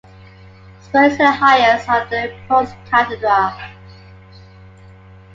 Spurr is the highest of the post-caldera.